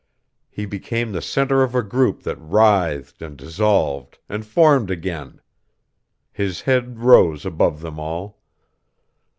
He became the center of a group that writhed and dissolved, and formed again. His head rose above them all.